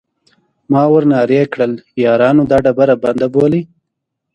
ما ور نارې کړل: یارانو دا ډبره بنده بولئ.